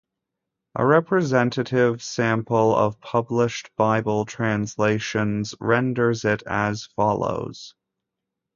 A representative sample of published Bible translations renders it as follows.